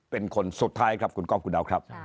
เป็นคนสุดท้ายครับคุณก้องคุณดาวครับ